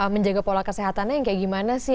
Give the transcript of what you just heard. menjaga pola kesehatannya yang kayak gimana sih